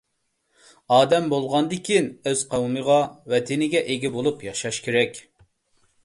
ئادەم بولغاندىكىن ئۆز قوۋمىغا، ۋەتىنىگە ئىگە بولۇپ ياشاش كېرەك.